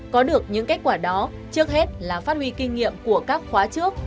để đạt được những kết quả đó trước hết là phát huy kinh nghiệm của các khóa trước